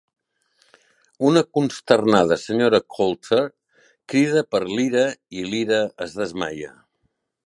Una consternada senyora Coulter crida per Lyra, i Lyra es desmaia.